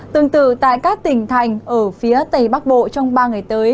tương tự tại các tỉnh thành ở phía tây bắc bộ trong ba ngày tới